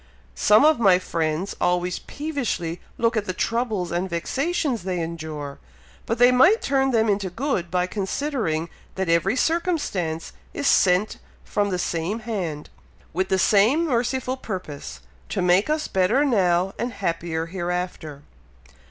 Some of my friends always peevishly look at the troubles and vexations they endure, but they might turn them into good, by considering that every circumstance is sent from the same hand, with the same merciful purpose to make us better now and happier hereafter."